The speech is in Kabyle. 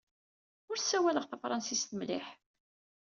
Ur ssawaleɣ tafṛensist mliḥ.